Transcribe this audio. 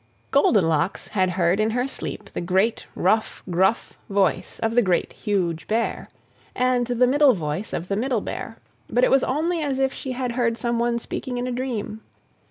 Goldenlocks had heard in her sleep the great, rough, gruff voice of the Great, Huge Bear, and the middle voice of the Middle Bear, but it was only as if she had heard someone speaking in a dream.